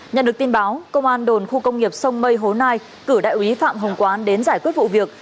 nhận được tin báo công an đồn khu công nghiệp sông mây hố nai cử đại úy phạm hồng quán đến giải quyết vụ việc